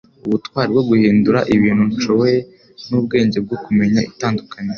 ubutwari bwo guhindura ibintu nshoboye, n'ubwenge bwo kumenya itandukaniro.”